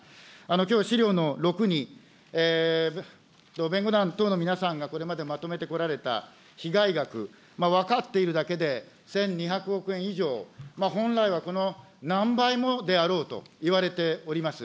きょう、資料の６に弁護団等の皆さんがこれまでまとめてこられた被害額、分かっているだけで１２００億円以上、本来はこの何倍もであろうといわれております。